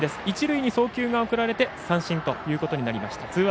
一塁に送球が送られて三振ということになりました。